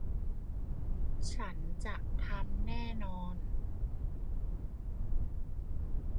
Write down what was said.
ฉันจะทำแน่นอน